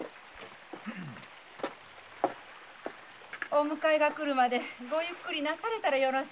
お迎えが来るまでごゆっくりなされたらよろしいのに。